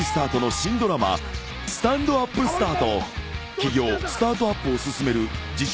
［起業スタートアップを勧める自称